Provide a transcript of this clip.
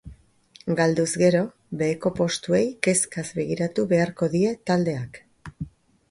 Galduz gero, beheko postuei kezkaz begiratu beharko die taldeak.